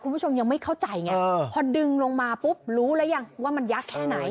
คุณผู้ชมยังไม่เข้าใจไงพอดึงลงมาปุ๊บรู้แล้วยังว่ามันยักษ์แค่ไหน